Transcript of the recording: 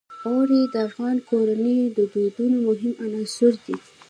اوړي د افغان کورنیو د دودونو مهم عنصر دی.